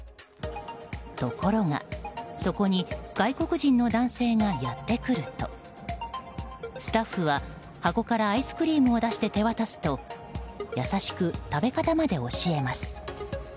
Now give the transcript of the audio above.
ところが、そこに外国人の男性がやってくるとスタッフは、箱からアイスクリームを出して手渡すと優しく、食べ方まで教えます。